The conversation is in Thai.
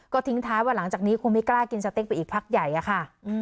ก็ทิ้งท้ายว่าหลังจากนี้คงไม่กล้ากินสเต็กไปอีกพักใหญ่อะค่ะ